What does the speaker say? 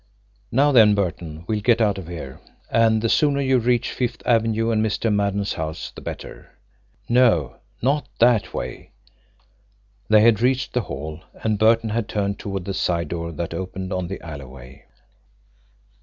"Now then, Burton, we'll get out of her and the sooner you reach Fifth Avenue and Mr. Maddon's house the better. No; not that way!" They had reached the hall, and Burton had turned toward the side door that opened on the alleyway.